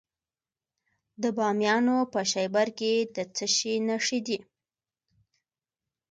د بامیان په شیبر کې د څه شي نښې دي؟